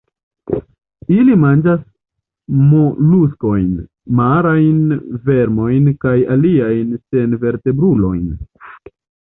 Ili manĝas moluskojn, marajn vermojn kaj aliajn senvertebrulojn.